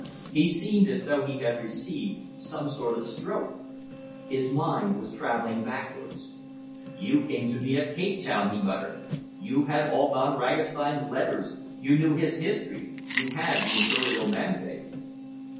He seemed as though he had received some sort of stroke. His mind was travelling backwards. "You came to me at Cape Town," he muttered; "you had all Von Ragastein's letters, you knew his history, you had the Imperial mandate."